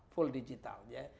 full digital ya